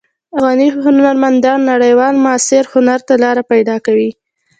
افغاني هنرمندان نړیوال معاصر هنر ته لاره پیدا کوي.